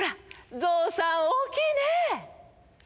象さん大きいね！